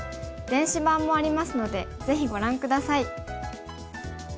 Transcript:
電子版もありますのでぜひご覧下さい。